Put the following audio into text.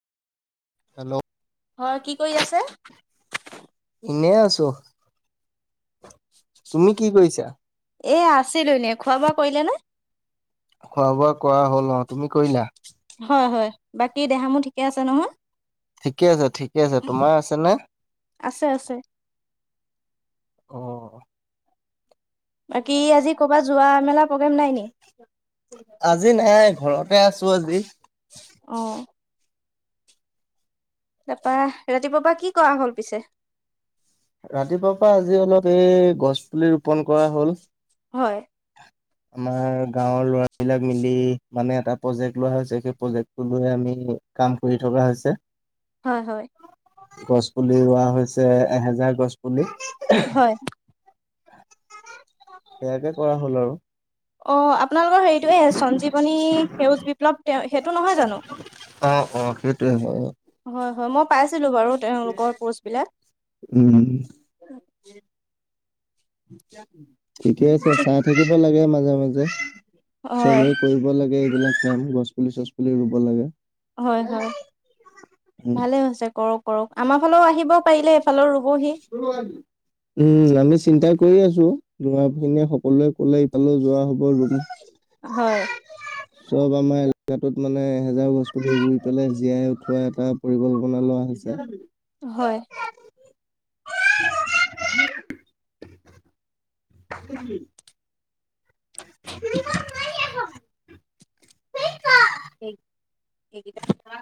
Hello. হয় কি কই আছে? এনেই আছো। তুমি কি কৰিছা? এয়া আছিলো এনেই খোৱা বোৱা কৰিলে নে? খোৱা বোৱা কৰা হ'ল অ তুমি কৰিলা হয় হয় বাকী দেহা মোৰ ঠিকে আছে নহয় ঠিকে আছে ঠিকে তোমাৰ আছে নে আছে আছে অ বাকী আজি কৰ'বাত যোৱা মেলা প্ৰগ্ৰেম নাই নি? আজি নাই ঘৰতে আছো আজি অ তাৰপাহ ৰাতিপুৱাৰ পা কি কৰা হ'ল পিছে ৰাতিপুৱাৰ পা আজি অলপ এই গছ পুলি ৰোপন কৰা হল হয় আমাৰ গাঁৱৰ ল'ৰাবিলাক মিলি মানে এটা প্ৰজেক্ট লোৱা হৈছে সেই প্ৰজেক্টটো লৈ আমি কাম কৰি থকা হৈছে হয় হয় গছ পুলি ৰোৱা হৈছে এহেজাৰ গছ পুলি হয় সেয়াকে কৰা হ'ল আৰু অ' আপোনালোকৰ হেৰিটোৱে সঞ্জীৱনী সেউজ বিপ্লৱ তেওঁ সেইটো নহয় জানো? অ' অ' সেইটোয়ে হয়। হয়, হয়। মই পাইছিলো বাৰু তেওঁলোকৰ পোষ্ট বিলাক উম, ঠিকে আছে চাই থাকিব লাগে মাজে মাজে হয় চবে কৰিব লাগে এইবিলাক কাম গছ পুলি চছ পুলি ৰুব লাগে। হয়, হয়। ভালে আছে কৰক। [unintelligible] আমাৰ ফালেও আহিবও পাৰিলে এফালেও ৰুবহি। উম আমি চিন্তা কৰি আছো [unintelligible] ক'লে ক'লে ইফালেও যোৱা হ'ব ৰুম। হয়। চব আমাৰ এলেকাটোত মানে এহেজাৰ গছ পুলি ৰুই পেলাই জীয়াই উঠোৱা এটা পৰিকল্পনা লোৱা হৈছে। [unintelligible] হয়। [unintelligible] [unintelligible] [unintelligible] [unintelligible]